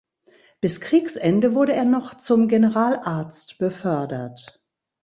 Bis Kriegsende wurde er noch zum Generalarzt befördert.